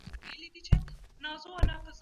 زدهکوونکي په ښوونځي کي یو بل سره درناوی کوي.